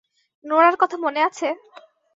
নোরার কথা মনে আছে?